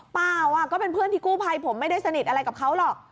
เปล่าก็เป็นเพื่อนที่กู้ภัยผมไม่ได้สนิทอะไรกับเขาหรอก